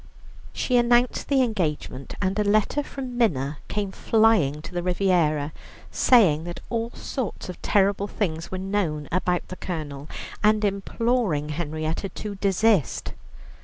She announced the engagement, and a letter from Minna came flying to the Riviera, saying that all sorts of terrible things were known about the Colonel, and imploring Henrietta to desist.